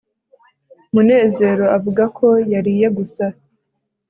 munezero avuga ko yariye gusa